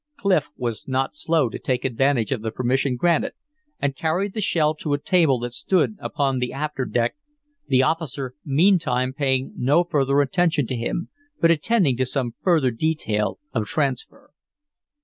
Clif was not slow to take advantage of the permission granted, and carried the shell to a table that stood upon the after deck, the officer meantime paying no further attention to him, but attending to some further detail of transfer.